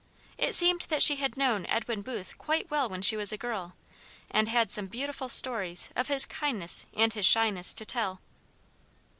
It seemed that she had known Edwin Booth quite well when she was a girl, and had some beautiful stories of his kindness and his shyness to tell.